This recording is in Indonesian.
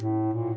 ya ya gak